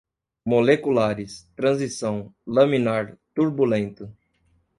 moleculares, transição, laminar, turbulento